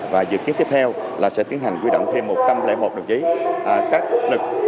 và dự kiến tiếp theo là sẽ tiến hành quy động thêm một trăm linh một đồng chí